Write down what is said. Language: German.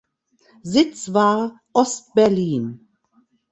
Sitz war Ost-Berlin.